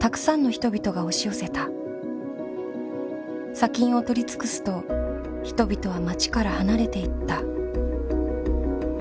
砂金を取り尽くすと人々は町から離れていった。